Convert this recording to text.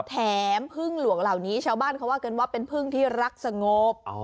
แถมพึ่งหลวงเหล่านี้ชาวบ้านเขาว่ากันว่าเป็นพึ่งที่รักสงบ